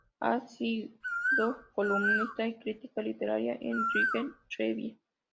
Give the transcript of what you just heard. Ha sido columnista y crítica literaria en Literary Review.